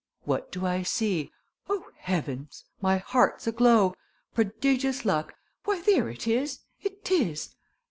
What do I see? O, heavens, my heart's aglow: Prodigious luck ! Why, there it is, it is!